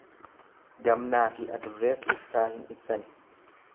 Gamnaafi adurreef ibsaa hin ibsani.